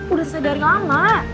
udah selesai dari lama